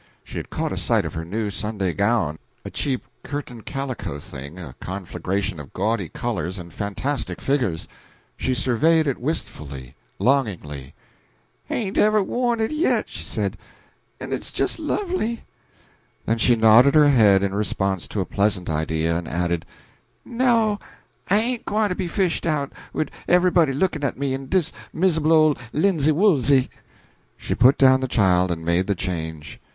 She had caught sight of her new Sunday gown a cheap curtain calico thing, a conflagration of gaudy colors and fantastic figures. She surveyed it wistfully, longingly. "Hain't ever wore it yet," she said, "en it's jist lovely." Then she nodded her head in response to a pleasant idea, and added, "No, I ain't gwine to be fished out, wid everybody lookin' at me, in dis mis'able ole linsey woolsey." She put down the child and made the change.